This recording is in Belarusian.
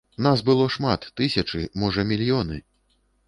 Нас было шмат, тысячы, можа, мільёны.